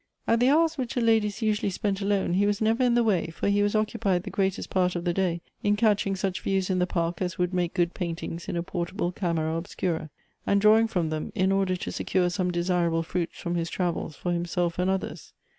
At the hours which the ladies usually spent alone he was never in the way, for he was occupied the greatest part of the day in catching such views in the park as would make good paintings in a portable camera obscura, and drawing from them, in order to secure some desira ble fruits from his travels for himself and others.